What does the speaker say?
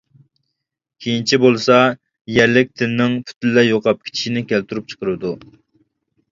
كېيىنچە بولسا يەرلىك تىلنىڭ پۈتۈنلەي يوقاپ كېتىشىنى كەلتۈرۈپ چىقىرىدۇ.